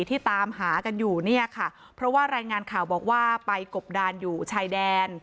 ที่ตามหากันอยู่เนี่ยค่ะเพราะว่ารายงานข่าวบอกว่าไปกบดานอยู่ชายแดน